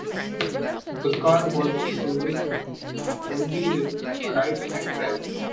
The car was produced only with right-hand drive.